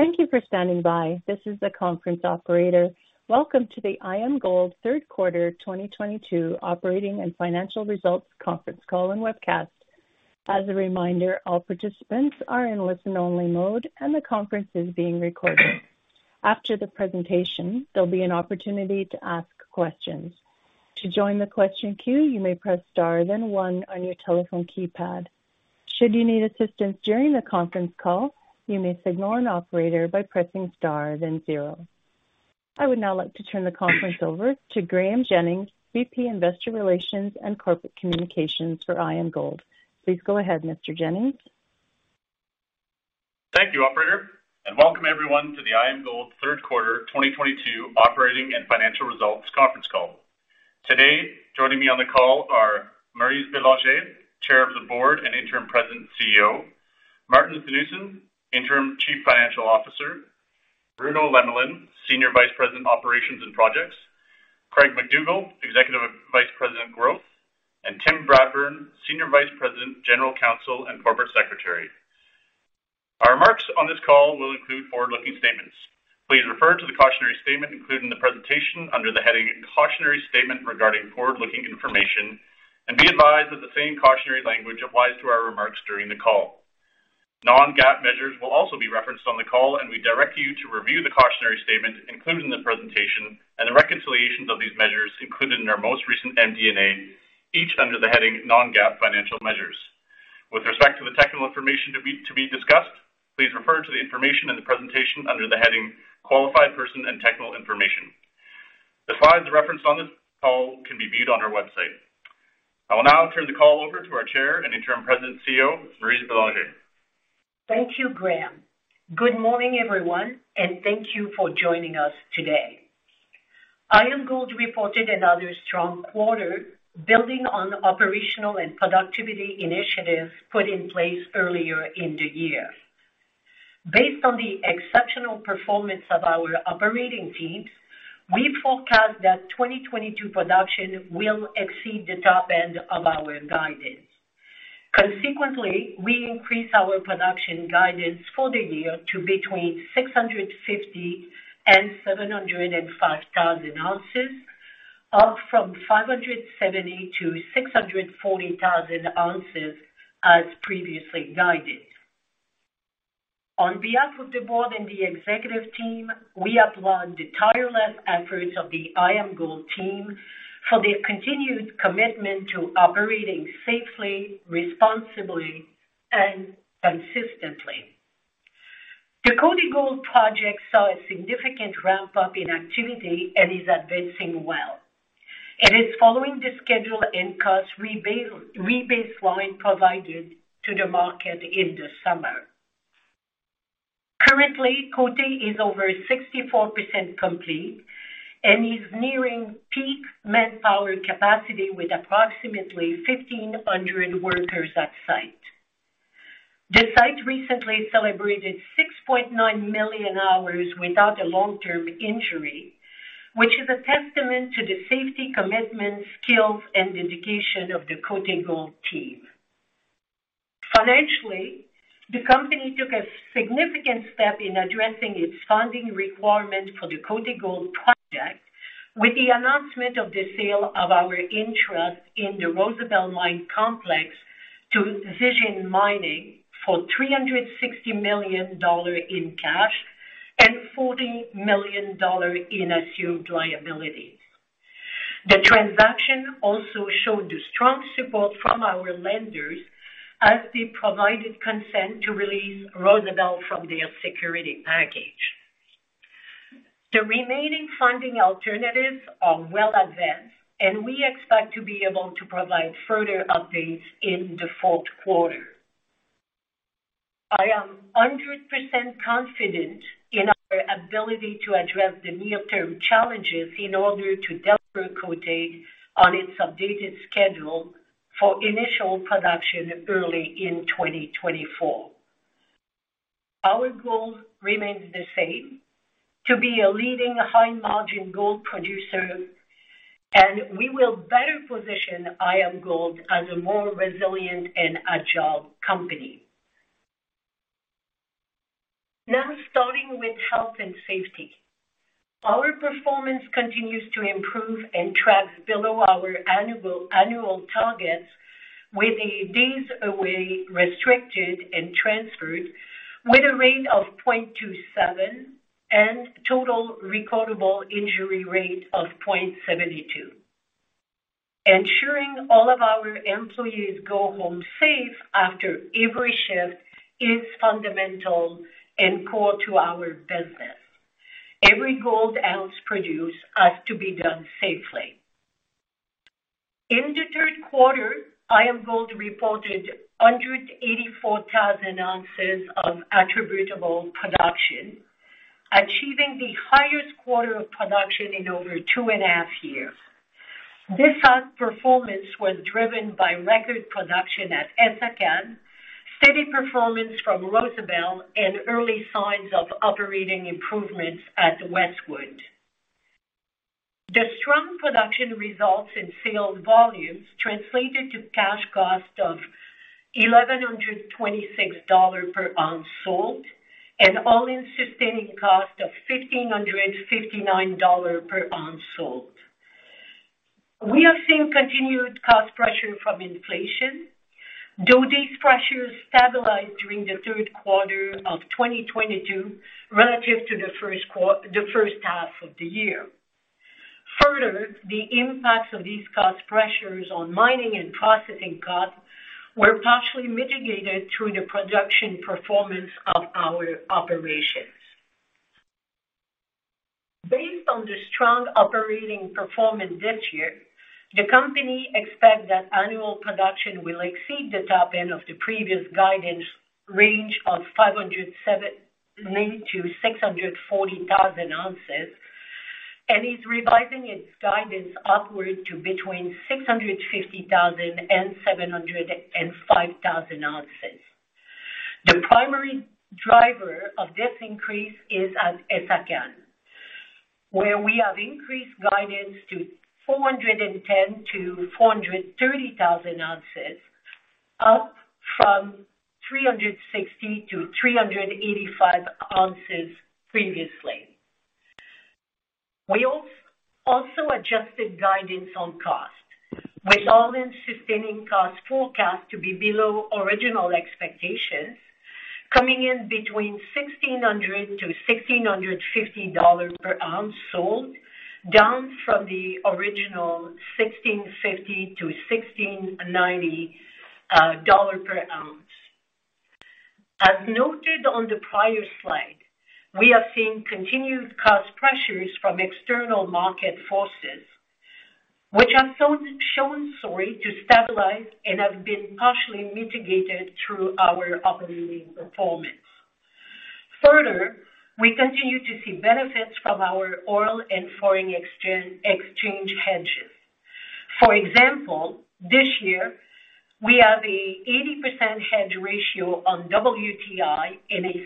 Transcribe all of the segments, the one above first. Thank you for standing by. This is the conference operator. Welcome to the IAMGOLD third quarter 2022 operating and financial results conference call and webcast. As a reminder, all participants are in listen-only mode, and the conference is being recorded. After the presentation, there'll be an opportunity to ask questions. To join the question queue, you may press Star, then one on your telephone keypad. Should you need assistance during the conference call, you may signal an operator by pressing Star, then zero. I would now like to turn the conference over to Graeme Jennings, VP, Investor Relations and Corporate Communications for IAMGOLD. Please go ahead, Mr. Jennings. Thank you, operator, and welcome everyone to the IAMGOLD third quarter 2022 operating and financial results conference call. Today, joining me on the call are Maryse Bélanger, Chair of the Board and Interim President and CEO, Maarten Theunissen, Interim Chief Financial Officer, Bruno Lemelin, Senior Vice President, Operations and Projects, Craig MacDougall, Executive Vice President, Growth, and Tim Bradburn, Senior Vice President, General Counsel and Corporate Secretary. Our remarks on this call will include forward-looking statements. Please refer to the cautionary statement included in the presentation under the heading Cautionary Statement regarding forward-looking information and be advised that the same cautionary language applies to our remarks during the call. non-GAAP measures will also be referenced on the call, and we direct you to review the cautionary statement included in the presentation and the reconciliations of these measures included in our most recent MD&A, each under the heading non-GAAP Financial Measures. With respect to the technical information to be discussed, please refer to the information in the presentation under the heading Qualified Person and Technical Information. The slides referenced on this call can be viewed on our website. I will now turn the call over to our Chair and Interim President and CEO, Maryse Bélanger. Thank you, Graeme. Good morning, everyone, and thank you for joining us today. IAMGOLD reported another strong quarter building on operational and productivity initiatives put in place earlier in the year. Based on the exceptional performance of our operating teams, we forecast that 2022 production will exceed the top end of our guidance. Consequently, we increase our production guidance for the year to between 650,000 and 705,000 ounces, up from 570,000-640,000 ounces as previously guided. On behalf of the board and the executive team, we applaud the tireless efforts of the IAMGOLD team for their continued commitment to operating safely, responsibly, and consistently. The Côté Gold Project saw a significant ramp-up in activity and is advancing well, and it's following the schedule and cost rebaseline provided to the market in the summer. Currently, Côté is over 64% complete and is nearing peak manpower capacity with approximately 1,500 workers at site. The site recently celebrated 6.9 million hours without a long-term injury, which is a testament to the safety commitment, skills, and dedication of the Côté Gold team. Financially, the company took a significant step in addressing its funding requirement for the Côté Gold Project with the announcement of the sale of our interest in the Rosebel Mine complex to Zijin Mining for $360 million in cash and $40 million in assumed liabilities. The transaction also showed the strong support from our lenders as they provided consent to release Rosebel from their security package. The remaining funding alternatives are well advanced, and we expect to be able to provide further updates in the fourth quarter. I am 100% confident in our ability to address the near-term challenges in order to deliver Côté on its updated schedule for initial production early in 2024. Our goal remains the same, to be a leading high-margin gold producer, and we will better position IAMGOLD as a more resilient and agile company. Now, starting with health and safety. Our performance continues to improve and tracks below our annual targets with the days away restricted and transferred with a rate of 0.27 and total recordable injury rate of 0.72. Ensuring all of our employees go home safe after every shift is fundamental and core to our business. Every gold ounce produced has to be done safely. In the third quarter, IAMGOLD reported 184,000 ounces of attributable production, achieving the highest quarter of production in over two and a half years. This outperformance was driven by record production at Essakane, steady performance from Rosebel, and early signs of operating improvements at Westwood. The strong production results in sales volumes translated to cash cost of $1,126 per ounce sold and all-in sustaining cost of $1,559 per ounce sold. We have seen continued cost pressure from inflation, though these pressures stabilized during the third quarter of 2022 relative to the first half of the year. Further, the impacts of these cost pressures on mining and processing costs were partially mitigated through the production performance of our operations. Based on the strong operating performance this year, the company expects that annual production will exceed the top end of the previous guidance range of 507-640 thousand ounces, and is revising its guidance upward to between 650 thousand and 705 thousand ounces. The primary driver of this increase is at Essakane, where we have increased guidance to 410-430 thousand ounces, up from 360-385 ounces previously. We also adjusted guidance on cost with all-in sustaining cost forecast to be below original expectations, coming in between $1,600-$1,650 per ounce sold, down from the original $1,650-$1,690 dollar per ounce. As noted on the prior slide, we have seen continued cost pressures from external market forces, which have shown to stabilize and have been partially mitigated through our operating performance. Further, we continue to see benefits from our oil and foreign exchange hedges. For example, this year we have an 80% hedge ratio on WTI and a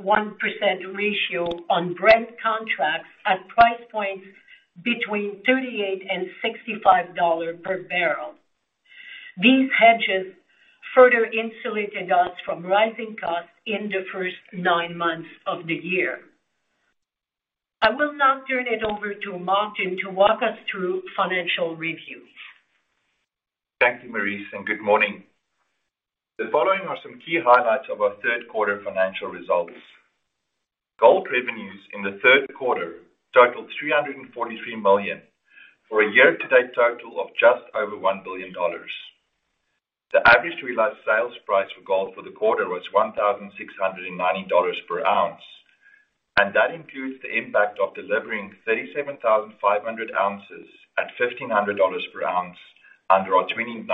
71% ratio on Brent contracts at price points between $38-$65 per barrel. These hedges further insulated us from rising costs in the first nine months of the year. I will now turn it over to Maarten to walk us through financial reviews. Thank you, Maryse, and good morning. The following are some key highlights of our third quarter financial results. Gold revenues in the third quarter totaled $343 million, for a year-to-date total of just over $1 billion. The average realized sales price for gold for the quarter was $1,690 per ounce, and that includes the impact of delivering 37,500 ounces at $1,500 per ounce under our 2019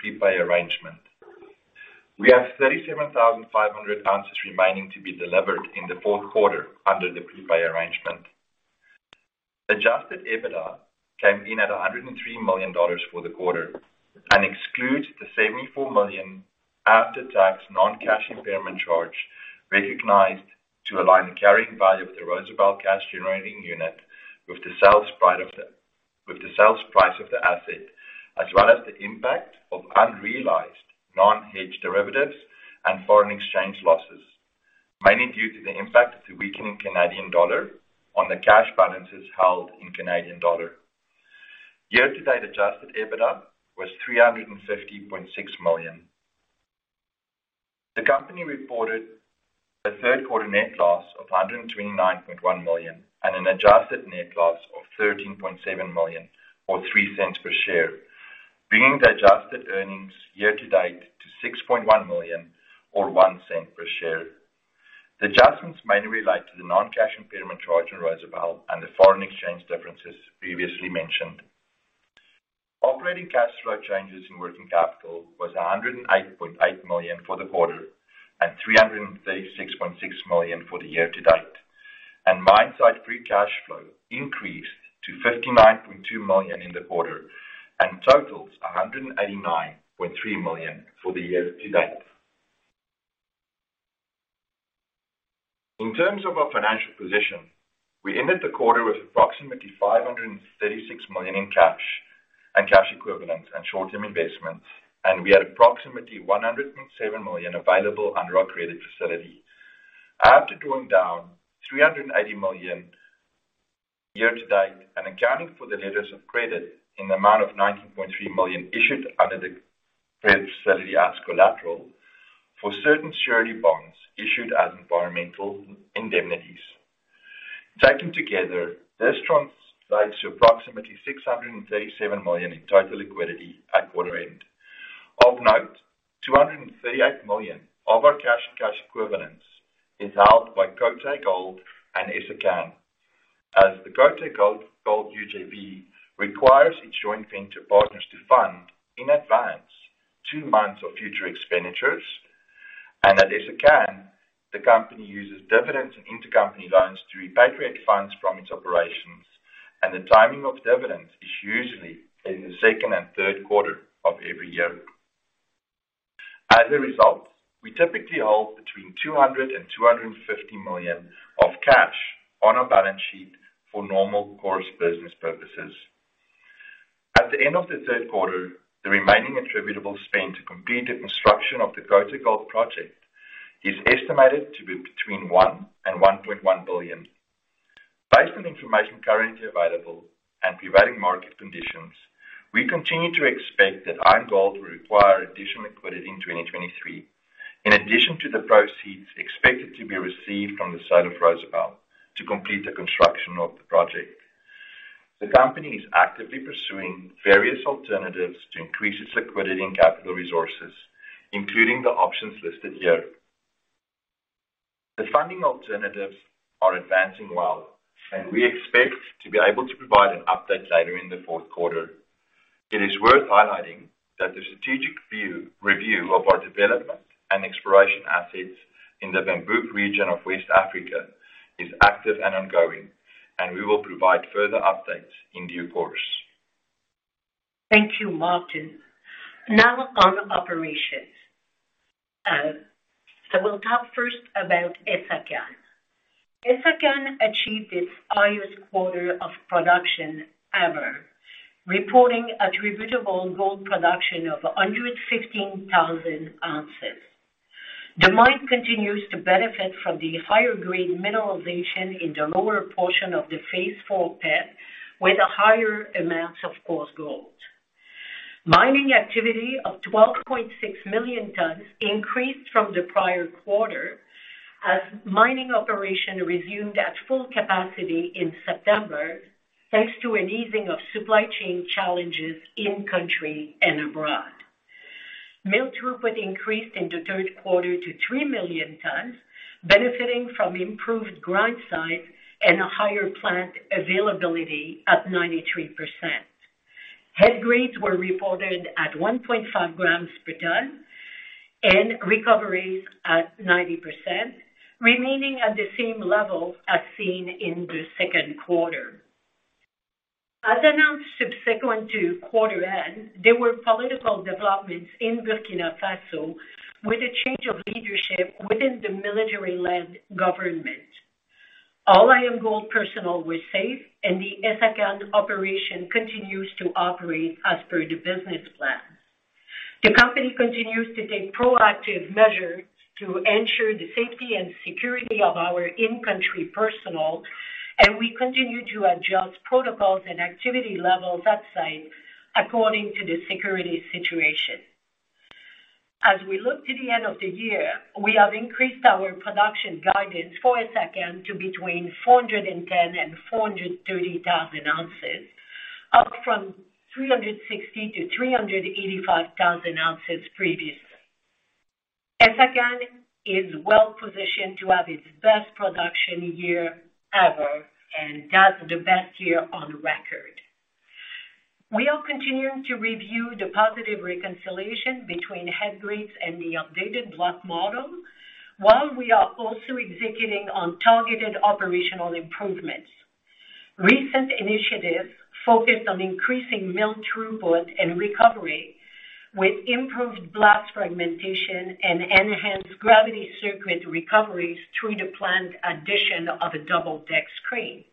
prepay arrangement. We have 37,500 ounces remaining to be delivered in the fourth quarter under the prepay arrangement. Adjusted EBITDA came in at $103 million for the quarter and excludes the $74 million after-tax non-cash impairment charge recognized to align the carrying value of the Rosebel cash generating unit with the sales price of the asset, as well as the impact of unrealized non-hedged derivatives and foreign exchange losses, mainly due to the impact of the weakening Canadian dollar on the cash balances held in Canadian dollar. Year-to-date Adjusted EBITDA was $350.6 million. The company reported a third quarter net loss of $129.1 million and an adjusted net loss of $13.7 million or 3 cents per share, bringing the adjusted earnings year to date to $6.1 million or 1 cent per share. The adjustments mainly relate to the non-cash impairment charge in Rosebel and the foreign exchange differences previously mentioned. Operating cash flow changes in working capital was $108.8 million for the quarter and $336.6 million for the year to date, and mine site free cash flow increased to $59.2 million in the quarter and totals $189.3 million for the year-to-date. In terms of our financial position, we ended the quarter with approximately $536 million in cash and cash equivalents and short-term investments, and we had approximately $107 million available under our credit facility after drawing down $380 million year to date and accounting for the letters of credit in the amount of $19.3 million issued under the credit facility as collateral for certain surety bonds issued as environmental indemnities. Taken together, this translates to approximately $637 million in total liquidity at quarter end. Of note, $238 million of our cash and cash equivalents is held by Côté Gold and Essakane as the Côté Gold UJV requires its joint venture partners to fund in advance two months of future expenditures. At Essakane, the company uses dividends and intercompany loans to repatriate funds from its operations, and the timing of dividends is usually in the second and third quarter of every year. As a result, we typically hold between $200 million and $250 million of cash on our balance sheet for normal course business purposes. At the end of the third quarter, the remaining attributable spend to complete the construction of the Côté Gold project is estimated to be between $1 billion and $1.1 billion. Based on information currently available and prevailing market conditions, we continue to expect that IAMGOLD will require additional liquidity in 2023, in addition to the proceeds expected to be received from the sale of Rosebel to complete the construction of the project. The company is actively pursuing various alternatives to increase its liquidity and capital resources, including the options listed here. The funding alternatives are advancing well, and we expect to be able to provide an update later in the fourth quarter. It is worth highlighting that the strategic review of our development and exploration assets in the Bambouk region of West Africa is active and ongoing, and we will provide further updates in due course. Thank you, Maarten Theunissen. Now on operations. We'll talk first about Essakane. Essakane achieved its highest quarter of production ever, reporting attributable gold production of 115,000 ounces. The mine continues to benefit from the higher grade mineralization in the lower portion of the phase 4 pit, with higher amounts of coarse gold. Mining activity of 12.6 million tonnes increased from the prior quarter as mining operation resumed at full capacity in September, thanks to an easing of supply chain challenges in country and abroad. Mill throughput increased in the third quarter to 3 million tonnes, benefiting from improved grind size and a higher plant availability at 93%. Head grades were reported at 1.5 grams per tonne and recoveries at 90%, remaining at the same level as seen in the second quarter. As announced subsequent to quarter end, there were political developments in Burkina Faso with a change of leadership within the military-led government. All IAMGOLD personnel were safe, and the Essakane operation continues to operate as per the business plan. The company continues to take proactive measures to ensure the safety and security of our in-country personnel, and we continue to adjust protocols and activity levels at site according to the security situation. As we look to the end of the year, we have increased our production guidance for Essakane to between 410,000 and 430,000 ounces, up from 360,000 to 385,000 ounces previously. Essakane is well positioned to have its best production year ever and that's the best year on record. We are continuing to review the positive reconciliation between head grades and the updated block model, while we are also executing on targeted operational improvements. Recent initiatives focused on increasing mill throughput and recovery with improved blast fragmentation and enhanced gravity circuit recoveries through the planned addition of a double deck screen.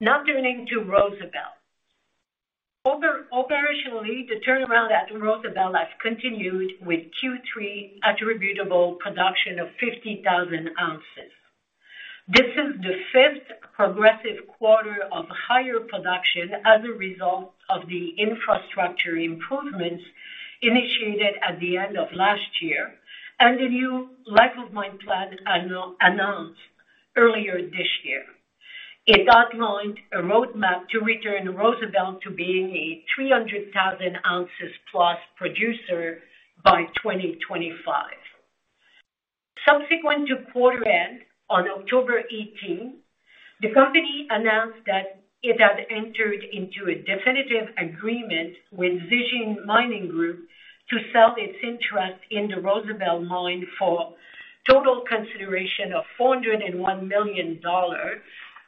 Now turning to Rosebel. Operationally, the turnaround at Rosebel has continued with Q3 attributable production of 50,000 ounces. This is the fifth progressive quarter of higher production as a result of the infrastructure improvements initiated at the end of last year and the new life of mine plan announced earlier this year. It outlined a roadmap to return Rosebel to being a 300,000 ounces plus producer by 2025. Subsequent to quarter end, on October 18, the company announced that it had entered into a definitive agreement with Zijin Mining Group to sell its interest in the Rosebel mine for total consideration of $401 million,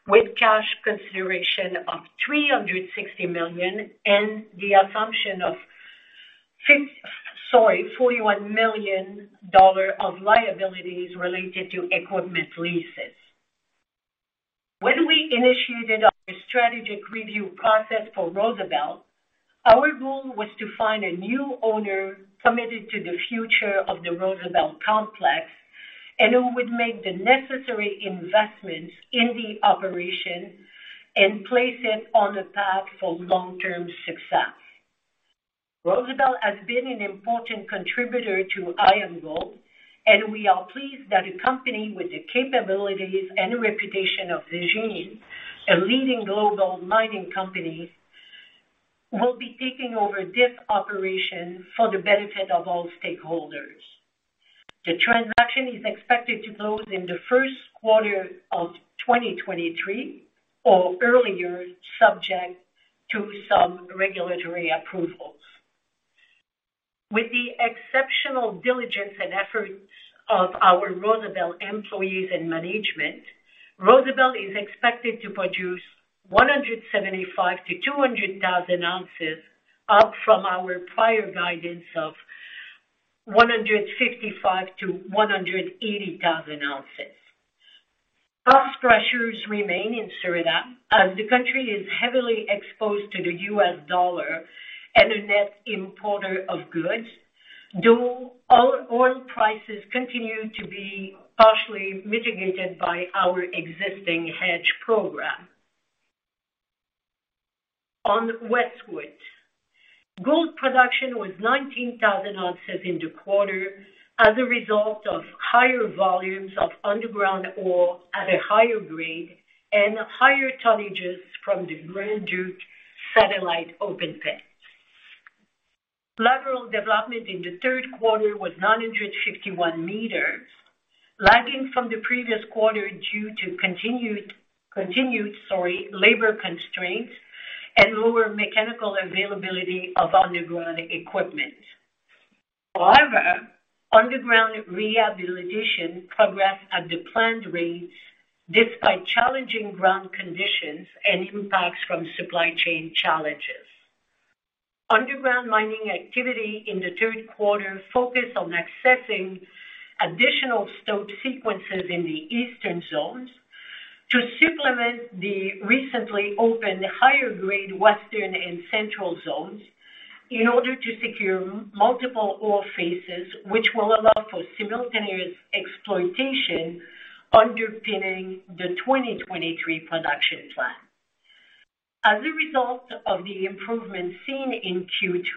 with cash consideration of $360 million, and the assumption of $41 million of liabilities related to equipment leases. When we initiated our strategic review process for Rosebel, our goal was to find a new owner committed to the future of the Rosebel complex and who would make the necessary investments in the operation and place it on a path for long-term success. Rosebel has been an important contributor to IAMGOLD, and we are pleased that a company with the capabilities and reputation of Zijin, a leading global mining company, will be taking over this operation for the benefit of all stakeholders. The transaction is expected to close in the first quarter of 2023 or earlier, subject to some regulatory approvals. With the exceptional diligence and efforts of our Rosebel employees and management, Rosebel is expected to produce 175,000-200,000 ounces, up from our prior guidance of 155,000-180,000 ounces. Cost pressures remain in Suriname as the country is heavily exposed to the U.S. dollar and a net importer of goods. Though oil prices continue to be partially mitigated by our existing hedge program. On Westwood, gold production was 19,000 ounces in the quarter as a result of higher volumes of underground ore at a higher grade and higher tonnages from the Grand Duke satellite open pit. Lateral development in the third quarter was 951 meters, lagging from the previous quarter due to continued labor constraints and lower mechanical availability of underground equipment. However, underground rehabilitation progressed at the planned rates despite challenging ground conditions and impacts from supply chain challenges. Underground mining activity in the third quarter focused on accessing additional stope sequences in the eastern zones to supplement the recently opened higher grade western and central zones in order to secure multiple ore phases, which will allow for simultaneous exploitation underpinning the 2023 production plan. As a result of the improvements seen in Q3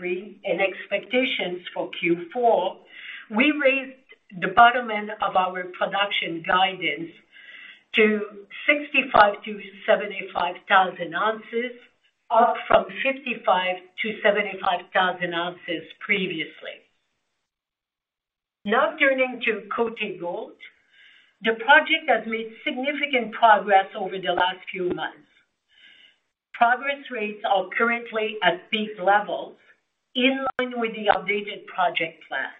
and expectations for Q4, we raised the bottom end of our production guidance to 65,000-75,000 ounces, up from 55,000-75,000 ounces previously. Now turning to Côté Gold. The project has made significant progress over the last few months. Progress rates are currently at peak levels in line with the updated project plan.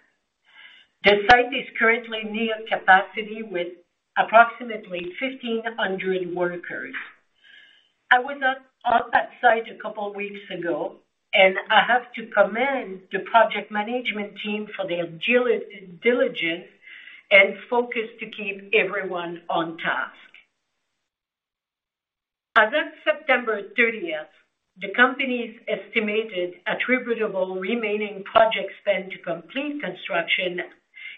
The site is currently near capacity with approximately 1,500 workers. I was on that site a couple weeks ago, and I have to commend the project management team for their diligence and focus to keep everyone on task. As of September thirtieth, the company's estimated attributable remaining project spend to complete construction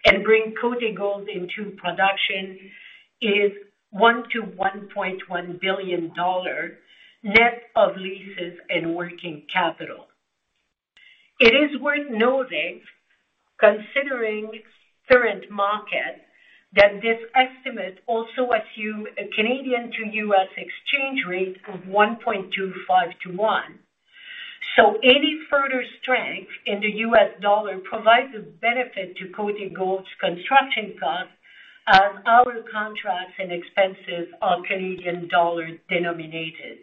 and bring Côté Gold into production is $1-$1.1 billion, net of leases and working capital. It is worth noting, considering current market, that this estimate also assumes a Canadian to US exchange rate of 1.25-1. Any further strength in the US dollar provides a benefit to Côté Gold's construction costs, as our contracts and expenses are Canadian dollar denominated.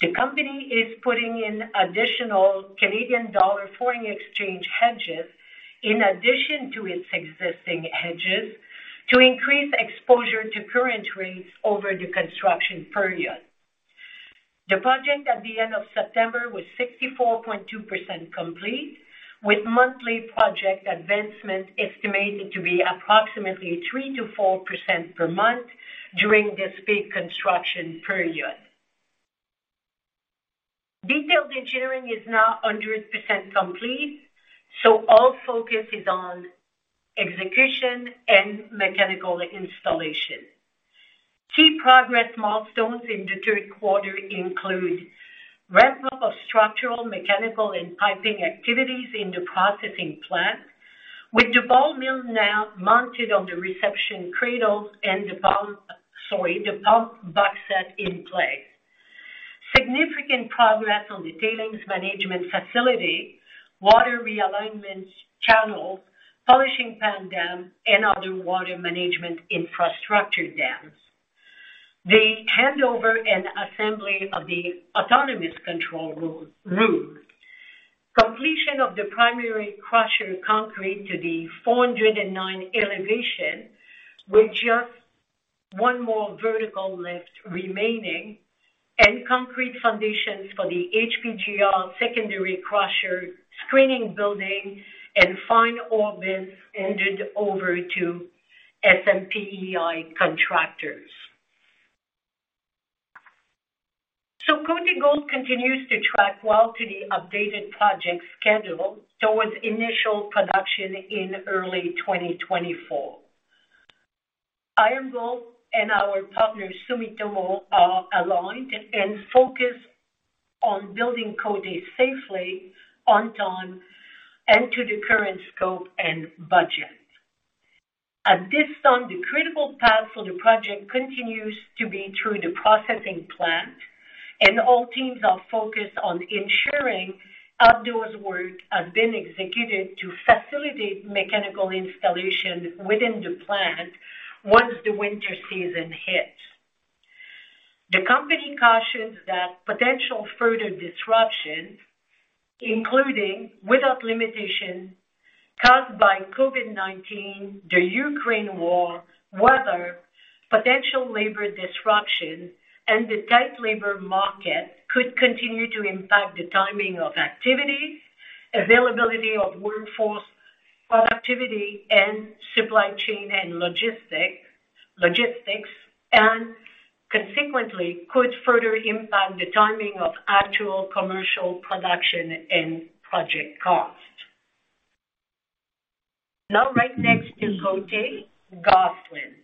The company is putting in additional Canadian dollar foreign exchange hedges in addition to its existing hedges to increase exposure to current rates over the construction period. The project at the end of September was 64.2% complete, with monthly project advancement estimated to be approximately 3%-4% per month during this peak construction period. Detailed engineering is now 100% complete, so all focus is on execution and mechanical installation. Key progress milestones in the third quarter include ramp up of structural, mechanical, and piping activities in the processing plant with the ball mill now mounted on the reception cradle and the pump box set in place. Significant progress on the tailings management facility, water realignment channels, polishing pond dam, and other water management infrastructure dams. The handover and assembly of the autonomous control room. Completion of the primary crusher concrete to the 409 elevation, with just one more vertical lift remaining and concrete foundations for the HPGR secondary crusher screening building and fine ore bin handed over to SMP/EI contractors. Côté Gold continues to track well to the updated project schedule towards initial production in early 2024. IAMGOLD and our partner, Sumitomo, are aligned and focused on building Côté safely, on time, and to the current scope and budget. At this time, the critical path for the project continues to be through the processing plant, and all teams are focused on ensuring outdoors work has been executed to facilitate mechanical installation within the plant once the winter season hits. The company cautions that potential further disruptions, including without limitation caused by COVID-19, the Ukraine war, weather, potential labor disruption, and the tight labor market, could continue to impact the timing of activities, availability of workforce productivity and supply chain and logistic-logistics, and consequently could further impact the timing of actual commercial production and project cost. Now, right next to Côté, Gosselin.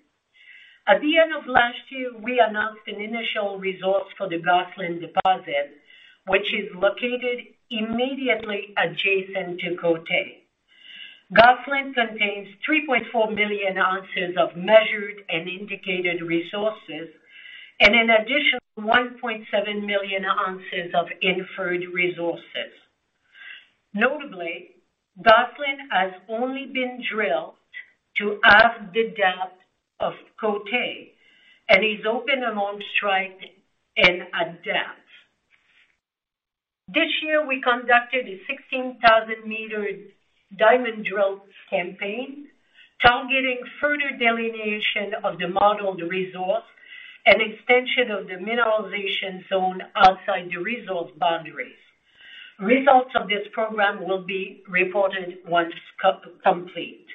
At the end of last year, we announced an initial resource for the Gosselin deposit, which is located immediately adjacent to Côté. Gosselin contains 3.4 million ounces of measured and indicated resources, and an additional 1.7 million ounces of inferred resources. Notably, Gosselin has only been drilled to half the depth of Côté and is open along strike and at depth. This year, we conducted a 16,000-m diamond drill campaign targeting further delineation of the modeled resource and extension of the mineralization zone outside the resource boundaries. Results of this program will be reported once complete.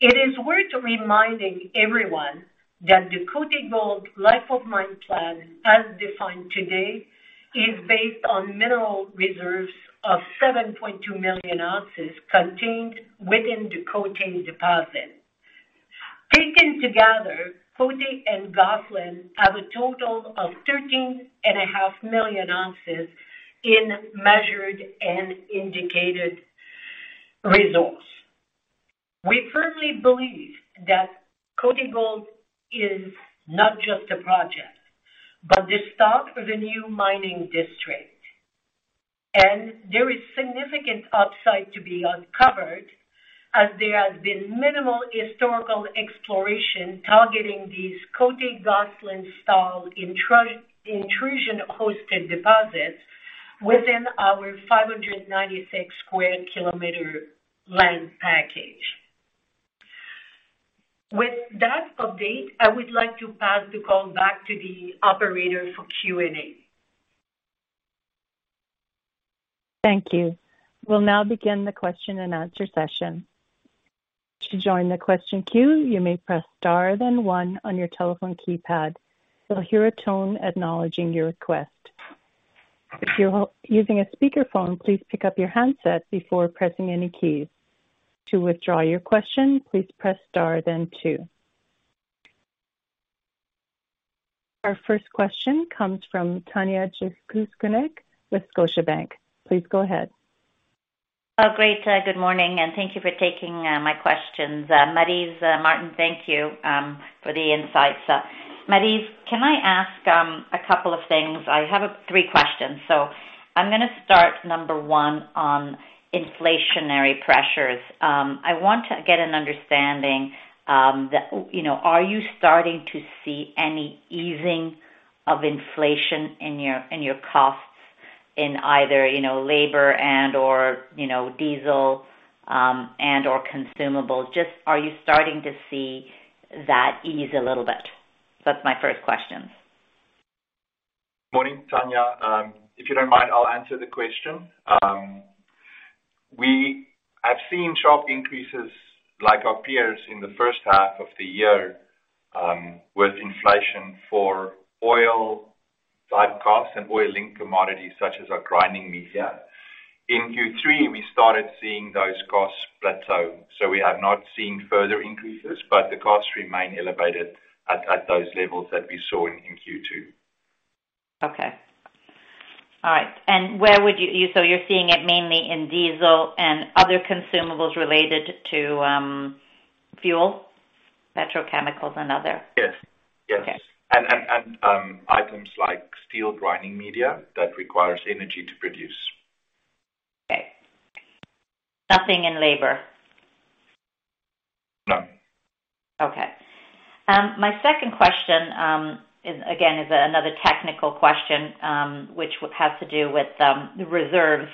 It is worth reminding everyone that the Côté Gold life of mine plan, as defined today, is based on mineral reserves of 7.2 million ounces contained within the Côté deposit. Taken together, Côté and Gosselin have a total of 13.5 million ounces in measured and indicated resource. We firmly believe that Côté Gold is not just a project, but the start of a new mining district. There is significant upside to be uncovered as there has been minimal historical exploration targeting these Côté-Gosselin-style intrusion-hosted deposits within our 596 sq km land package. With that update, I would like to pass the call back to the operator for Q&A. Thank you. We'll now begin the question-and-answer session. To join the question queue, you may press star then one on your telephone keypad. You'll hear a tone acknowledging your request. If you're using a speakerphone, please pick up your handset before pressing any keys. To withdraw your question, please press star then two. Our first question comes from Tanya Jakusconek with Scotiabank. Please go ahead. Oh, great. Good morning, and thank you for taking my questions. Maryse, Maarten, thank you for the insights. Maryse, can I ask a couple of things? I have three questions. I'm gonna start number one on inflationary pressures. I want to get an understanding that, you know, are you starting to see any easing of inflation in your costs in either, you know, labor and/or, you know, diesel, and/or consumable? Just are you starting to see that ease a little bit? That's my first question. Morning, Tanya. If you don't mind, I'll answer the question. We have seen sharp increases like our peers in the first half of the year, with inflation for oil type costs and oil-linked commodities such as our grinding media. In Q3, we started seeing those costs plateau. We have not seen further increases, but the costs remain elevated at those levels that we saw in Q2. You're seeing it mainly in diesel and other consumables related to fuel, petrochemicals and other? Yes. Yes. Okay. items like steel grinding media that requires energy to produce. Okay. Nothing in labor? No. Okay. My second question is again another technical question, which has to do with the reserves.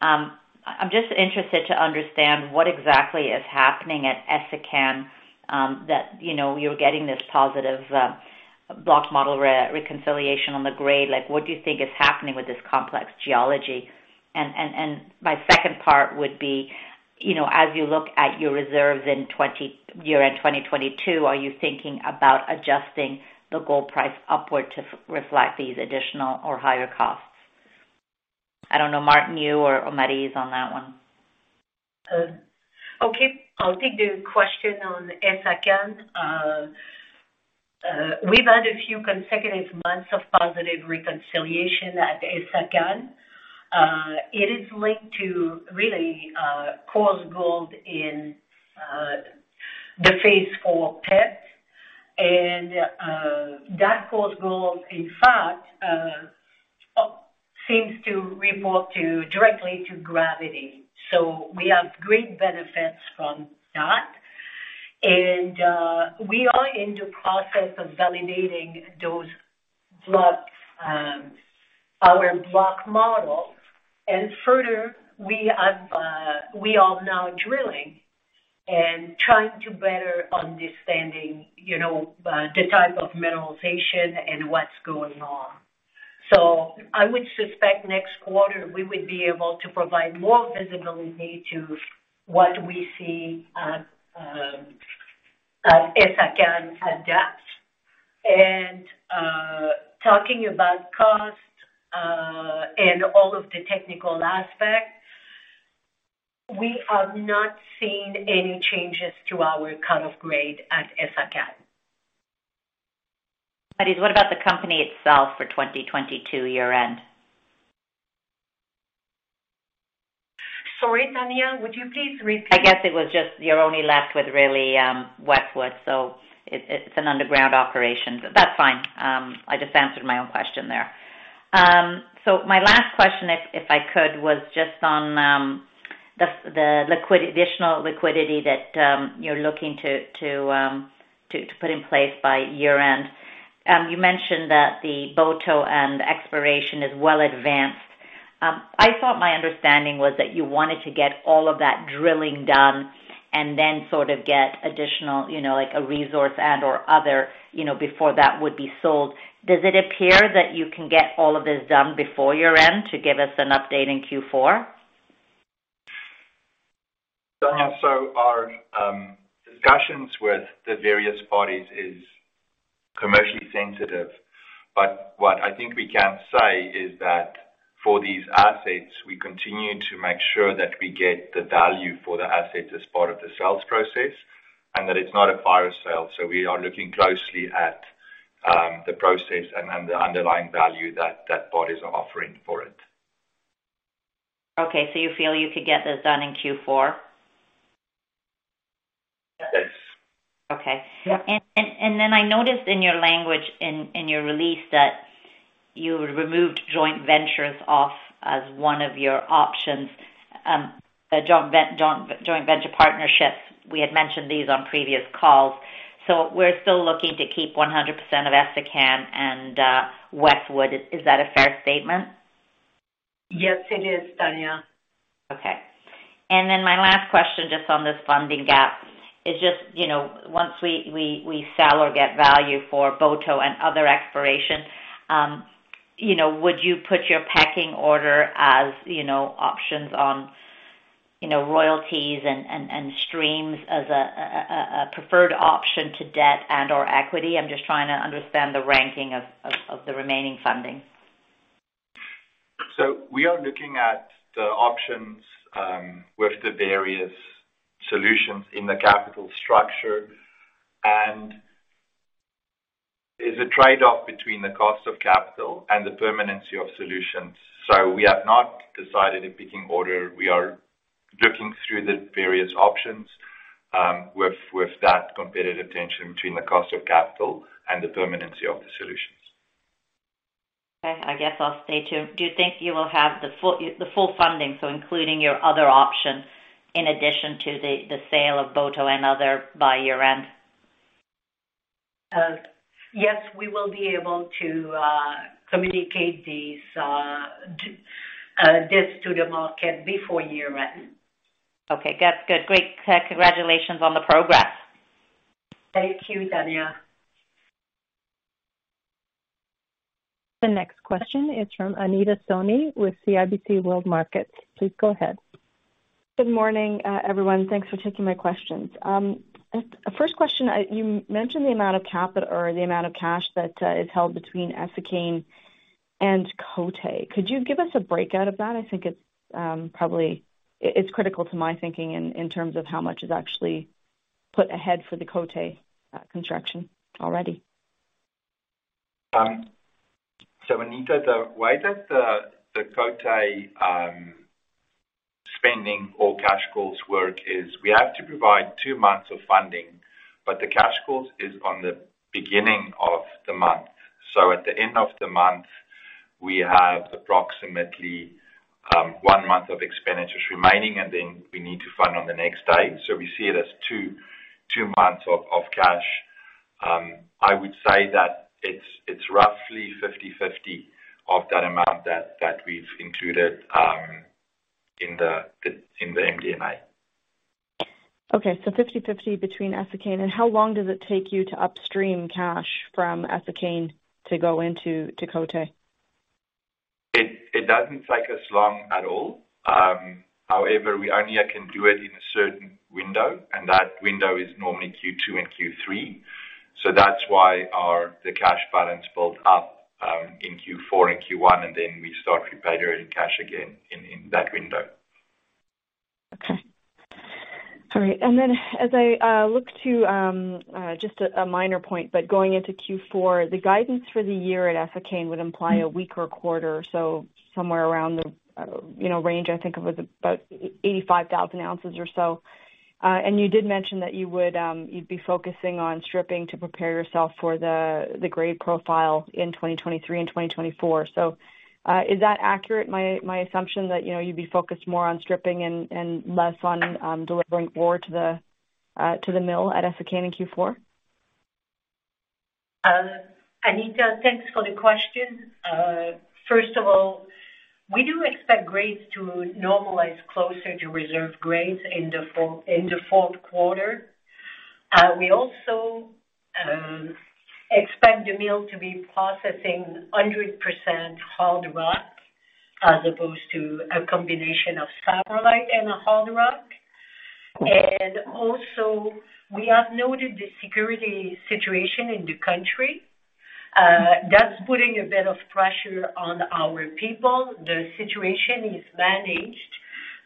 I'm just interested to understand what exactly is happening at Essakane, that you know, you're getting this positive block model reconciliation on the grade. Like, what do you think is happening with this complex geology? My second part would be, you know, as you look at your reserves in year-end 2022, are you thinking about adjusting the gold price upward to reflect these additional or higher costs? I don't know, Maarten, you or Maryse on that one. Okay. I'll take the question on Essakane. We've had a few consecutive months of positive reconciliation at Essakane. It is linked to really coarse gold in the phase four pit. That coarse gold, in fact, seems to report directly to gravity. So we have great benefits from that. We are in the process of validating those blocks, our block model. Further, we are now drilling and trying to better understand, you know, the type of mineralization and what's going on. So I would suspect next quarter we would be able to provide more visibility to what we see at Essakane at depth. Talking about cost and all of the technical aspects, we have not seen any changes to our cut-off grade at Essakane. What about the company itself for 2022 year end? Sorry, Tanya, would you please repeat? I guess it was just you're only left with really, Westwood, so it's an underground operation. That's fine. I just answered my own question there. So my last question, if I could, was just on the additional liquidity that you're looking to put in place by year end. You mentioned that the Boto and exploration is well advanced. I thought my understanding was that you wanted to get all of that drilling done and then sort of get additional, you know, like a resource add or other, you know, before that would be sold. Does it appear that you can get all of this done before year end to give us an update in Q4? Tania, our discussions with the various parties is commercially sensitive. What I think we can say is that for these assets, we continue to make sure that we get the value for the assets as part of the sales process, and that it's not a fire sale, so we are looking closely at the process and the underlying value that that bidder's offering for it. Okay, you feel you could get this done in Q4? Yes. Okay. Yeah. I noticed in your language in your release that you removed joint ventures off as one of your options, joint venture partnerships. We had mentioned these on previous calls. We're still looking to keep 100% of Essakane and Westwood. Is that a fair statement? Yes, it is, Tania. Okay. My last question just on this funding gap is just, you know, once we sell or get value for Boto and other exploration, you know, would you put your pecking order as, you know, options on, you know, royalties and streams as a preferred option to debt and/or equity? I'm just trying to understand the ranking of the remaining funding. We are looking at the options with the various solutions in the capital structure, and it's a trade-off between the cost of capital and the permanency of solutions. We have not decided a pecking order. We are looking through the various options with that competitive tension between the cost of capital and the permanency of the solutions. Okay. I guess I'll stay tuned. Do you think you will have the full funding, so including your other options in addition to the sale of Boto and other by year end? Yes, we will be able to communicate this to the market before year end. Okay. That's good. Great. Congratulations on the progress. Thank you, Tanya. The next question is from Anita Soni with CIBC World Markets. Please go ahead. Good morning, everyone. Thanks for taking my questions. First question, you mentioned the amount of cash that is held between Essakane and Côté. Could you give us a breakdown of that? I think it's probably critical to my thinking in terms of how much is actually put ahead for the Côté construction already. Anita, the way that the Côté spending or cash calls work is we have to provide two months of funding, but the cash calls is on the beginning of the month. At the end of the month, we have approximately one month of expenditures remaining, and then we need to fund on the next day. We see it as two months of cash. I would say that it's roughly 50/50 of that amount that we've included in the MD&A. Okay. 50/50 between Essakane. How long does it take you to upstream cash from Essakane to go into Côté? It doesn't take us long at all. However, we only can do it in a certain window, and that window is normally Q2 and Q3. That's why the cash balance builds up in Q4 and Q1, and then we start reprioritizing cash again in that window. Okay. All right. As I look to just a minor point, but going into Q4, the guidance for the year at Essakane would imply a weaker quarter, so somewhere around the, you know, range, I think it was about 85,000 ounces or so. You did mention that you'd be focusing on stripping to prepare yourself for the grade profile in 2023 and 2024. Is that accurate, my assumption that, you know, you'd be focused more on stripping and less on delivering ore to the mill at Essakane in Q4? Anita, thanks for the question. First of all, we do expect grades to normalize closer to reserve grades in the fall, in the fourth quarter. We also expect the mill to be processing 100% hard rock as opposed to a combination of satellite and hard rock. Also, we have noted the security situation in the country. That's putting a bit of pressure on our people. The situation is managed,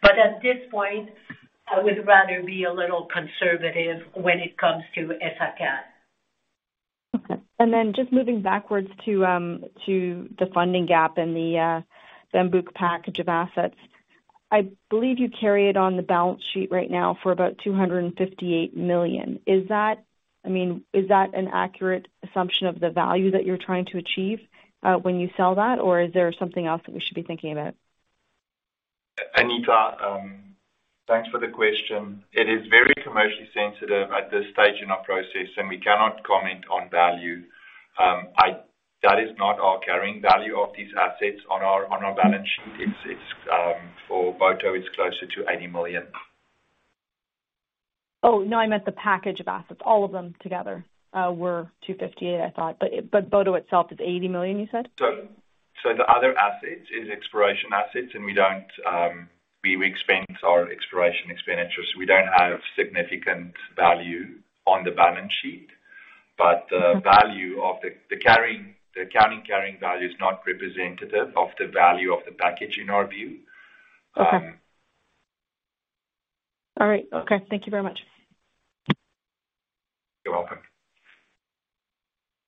but at this point, I would rather be a little conservative when it comes to Essakane. Okay. Just moving backwards to the funding gap in the Bambouk package of assets. I believe you carry it on the balance sheet right now for about $258 million. Is that, I mean, is that an accurate assumption of the value that you're trying to achieve when you sell that? Or is there something else that we should be thinking about? Anita, thanks for the question. It is very commercially sensitive at this stage in our process, and we cannot comment on value. That is not our carrying value of these assets on our balance sheet. It's for Boto, it's closer to $80 million. Oh, no. I meant the package of assets. All of them together were $258 million, I thought. Boto itself is $80 million, you said? The other assets is exploration assets, and we don't expense our exploration expenditures. We don't have significant value on the balance sheet. The value of the accounting carrying value is not representative of the value of the package in our view. Okay. All right. Okay. Thank you very much. You're welcome.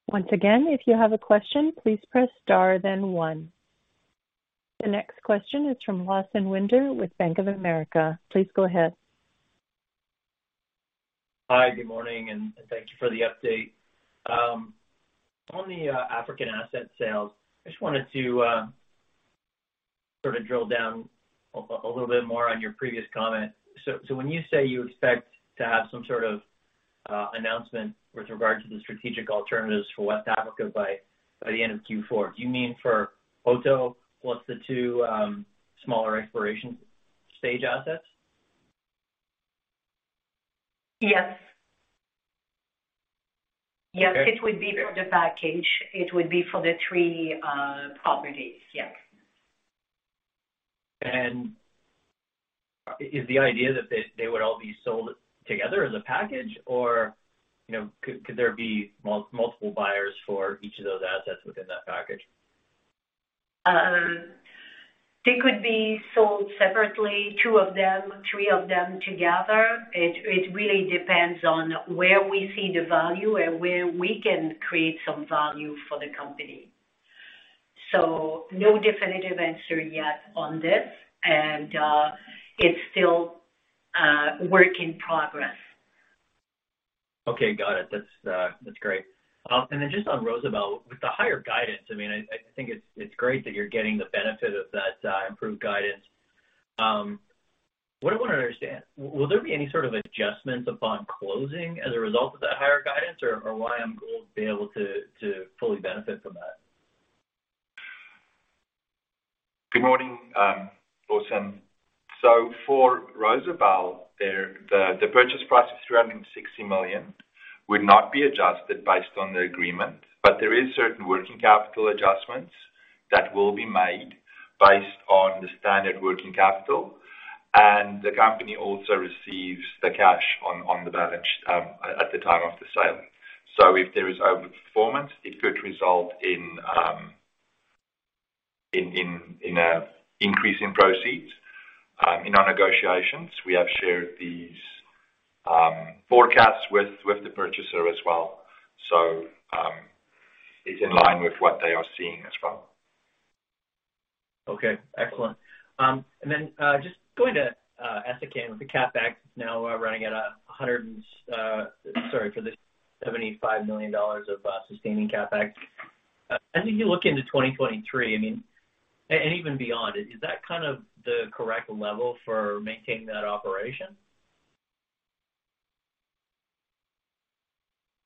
Once again, if you have a question, please press star then one. The next question is from Lawson Winder with Bank of America. Please go ahead. Hi, good morning, and thank you for the update. On the African asset sales, I just wanted to sort of drill down a little bit more on your previous comment. When you say you expect to have some sort of announcement with regard to the strategic alternatives for West Africa by the end of Q4, do you mean for Boto plus the two smaller exploration stage assets? Yes. Okay. Yes. It would be for the package. It would be for the three properties. Yes. Is the idea that they would all be sold together as a package or, you know, could there be multiple buyers for each of those assets within that package? They could be sold separately, two of them, three of them together. It really depends on where we see the value and where we can create some value for the company. No definitive answer yet on this, and it's still work in progress. Okay. Got it. That's great. And then just on Rosebel, with the higher guidance, I mean, I think it's great that you're getting the benefit of that improved guidance. What I wanna understand, will there be any sort of adjustments upon closing as a result of that higher guidance or will IAMGOLD be able to fully benefit from that? Good morning, Lawson. For Rosebel, the purchase price of $360 million would not be adjusted based on the agreement, but there is certain working capital adjustments that will be made based on the standard working capital, and the company also receives the cash on the balance at the time of the sale. If there is overperformance, it could result in an increase in proceeds. In our negotiations, we have shared these forecasts with the purchaser as well. It's in line with what they are seeing as well. Okay. Excellent. Just going to Essakane with the CapEx now running at $75 million of sustaining CapEx. As you look into 2023, I mean, and even beyond, is that kind of the correct level for maintaining that operation?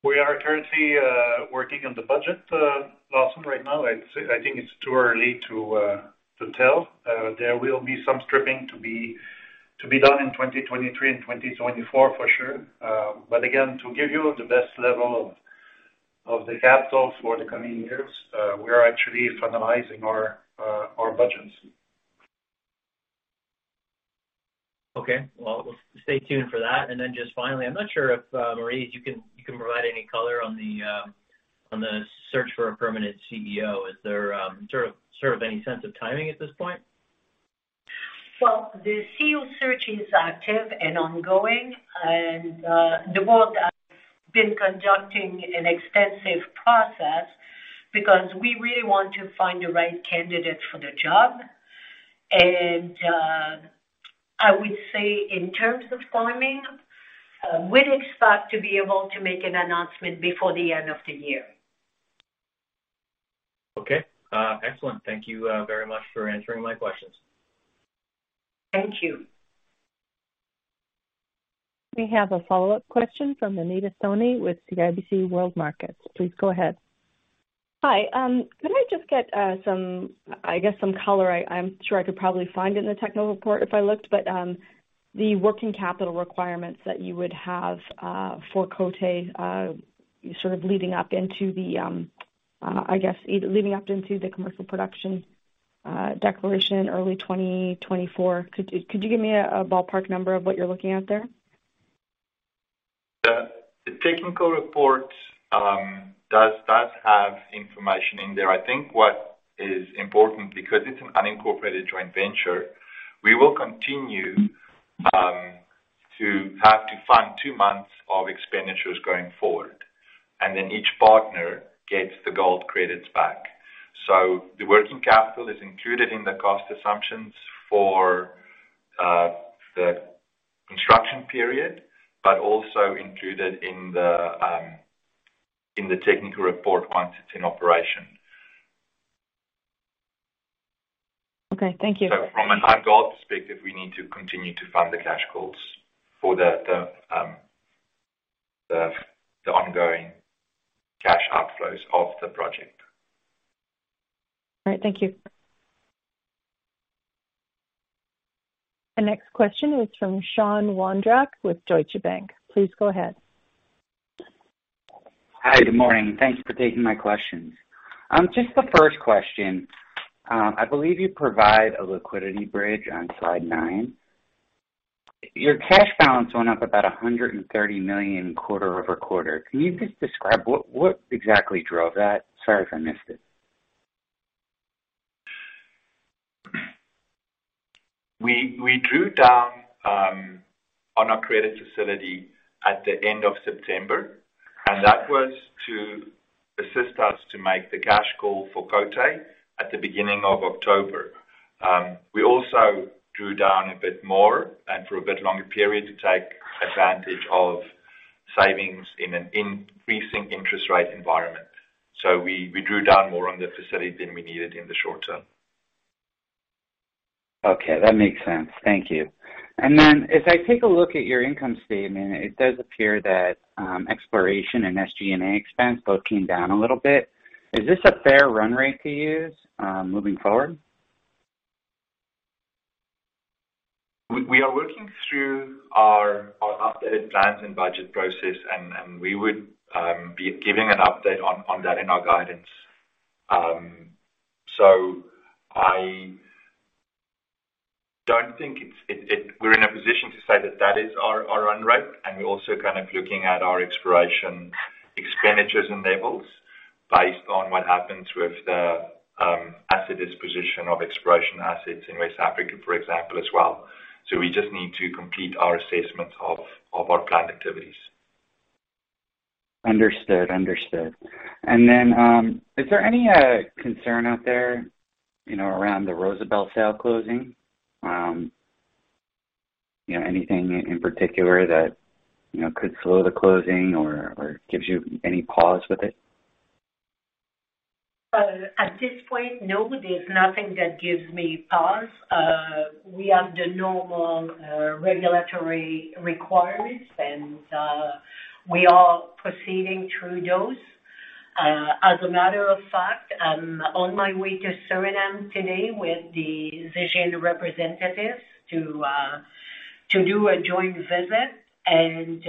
We are currently working on the budget, Lawson, right now. I'd say I think it's too early to tell. There will be some stripping to be done in 2023 and 2024 for sure. Again, to give you the best level of the capital for the coming years, we are actually finalizing our budgets. Okay. Well, we'll stay tuned for that. Just finally, I'm not sure if, Maryse, you can provide any color on the search for a permanent CEO. Is there sort of any sense of timing at this point? Well, the CEO search is active and ongoing, and the board has been conducting an extensive process because we really want to find the right candidate for the job. I would say in terms of timing, we'd expect to be able to make an announcement before the end of the year. Okay. Excellent. Thank you very much for answering my questions. Thank you. We have a follow-up question from Anita Soni with CIBC World Markets. Please go ahead. Hi. Could I just get some, I guess, some color? I'm sure I could probably find it in the technical report if I looked, but the working capital requirements that you would have for Côté sort of, I guess, leading up into the commercial production declaration early 2024. Could you give me a ballpark number of what you're looking at there? The technical report does have information in there. I think what is important, because it's an unincorporated joint venture, we will continue to have to fund two months of expenditures going forward, and then each partner gets the gold credits back. The working capital is included in the cost assumptions for the construction period, but also included in the technical report once it's in operation. Okay. Thank you. From an IAMGOLD perspective, we need to continue to fund the cash calls for the ongoing cash outflows of the project. All right. Thank you. The next question is from Sean Wandrak with Deutsche Bank. Please go ahead. Hi. Good morning. Thank you for taking my questions. Just the first question. I believe you provide a liquidity bridge on slide 9. Your cash balance went up about $130 million quarter-over-quarter. Can you just describe what exactly drove that? Sorry if I missed it. We drew down on our credit facility at the end of September, and that was to assist us to make the cash call for Côté at the beginning of October. We also drew down a bit more and for a bit longer period to take advantage of savings in an increasing interest rate environment. We drew down more on the facility than we needed in the short term. Okay. That makes sense. Thank you. As I take a look at your income statement, it does appear that exploration and SG&A expense both came down a little bit. Is this a fair run rate to use moving forward? We are working through our updated plans and budget process, and we would be giving an update on that in our guidance. I don't think we're in a position to say that is our run rate, and we're also kind of looking at our exploration expenditures and levels based on what happens with the asset disposition of exploration assets in West Africa, for example, as well. We just need to complete our assessment of our planned activities. Understood. Is there any concern out there, you know, around the Rosebel sale closing? You know, anything in particular that, you know, could slow the closing or gives you any pause with it? At this point, no, there's nothing that gives me pause. We have the normal regulatory requirements, and we are proceeding through those. As a matter of fact, I'm on my way to Suriname today with the Zijin representatives to do a joint visit, and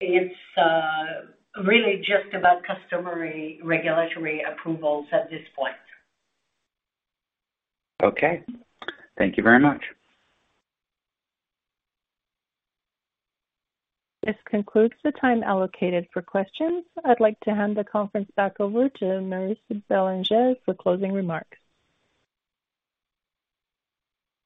it's really just about customary regulatory approvals at this point. Okay. Thank you very much. This concludes the time allocated for questions. I'd like to hand the conference back over to Maryse Bélanger for closing remarks.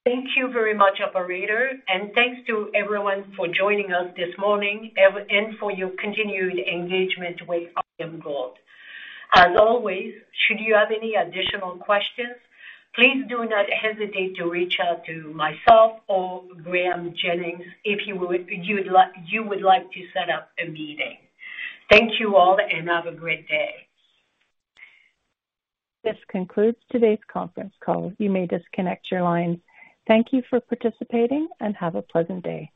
Thank you very much, operator, and thanks to everyone for joining us this morning and for your continued engagement with IAMGOLD. As always, should you have any additional questions, please do not hesitate to reach out to myself or Graeme Jennings if you would like to set up a meeting. Thank you all and have a great day. This concludes today's conference call. You may disconnect your lines. Thank you for participating and have a pleasant day.